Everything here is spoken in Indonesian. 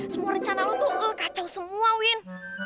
semua rencana lo tuh kacau semua win